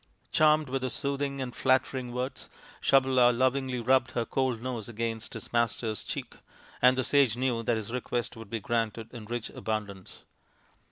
" Charmed with the soothing and flattering words, Sabala lovingly rubbed her cold nose against her master's cheek, and the sage knew that his request SABALA, THE SACRED COW 205 was to be granted in rich abundance.